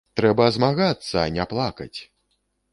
Трэба змагацца, а не плакаць!